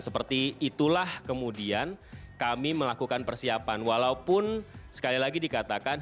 seperti itulah kemudian kami melakukan persiapan walaupun sekali lagi dikatakan